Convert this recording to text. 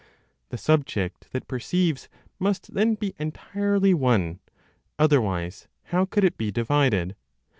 The subject that perceives must then be entirely one; otherwise, how could it be divided?